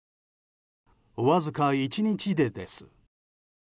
わずか１日でです。